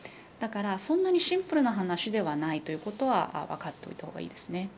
だから、そんなにシンプルな話ではないということは分かっておいた方がいいですね。